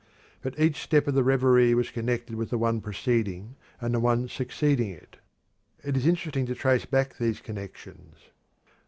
But each step of the reverie was connected with the one preceding and the one succeeding it. It is interesting to trace back these connections.